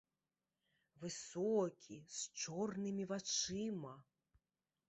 Высокі, з чорнымі вачыма.